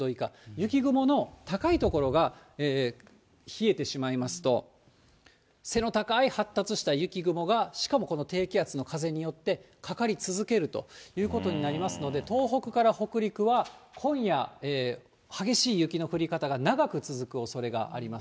雪雲の高い所が冷えてしまいますと、背の高い発達した雪雲が、しかもこの低気圧の風によってかかり続けるということになりますので、東北から北陸は今夜、激しい雪の降り方が長く続くおそれがあります。